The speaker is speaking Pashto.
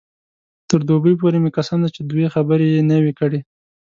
تر دوبۍ پورې مې قسم دی چې دوې خبرې نه وې کړې.